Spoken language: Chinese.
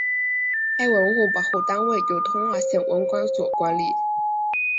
该文物保护单位由通化县文管所管理。